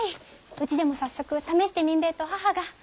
うちでも早速試してみんべぇと母が。